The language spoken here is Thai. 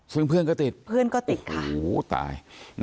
ซึ่งเพื่อนก็ติดครูถาย